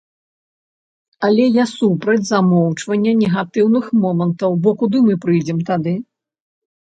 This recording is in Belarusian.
Але я супраць замоўчвання негатыўных момантаў, бо куды мы прыйдзем тады?